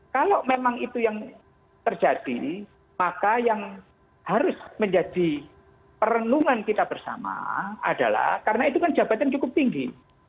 kalau memang itu yang terjadi maka yang harus menjadi perenungan kita bersama adalah karena itu kan jabatan cukup tinggi